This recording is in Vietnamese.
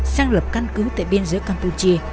sáng lập căn cứ tại biên giới campuchia